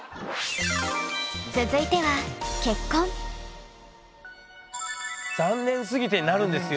続いては「残念すぎて」になるんですよ。